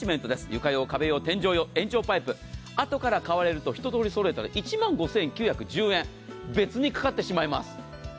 床用、壁用、天井用あとから買われると一通り揃えたら１万５９１０円別にかかってしまいます。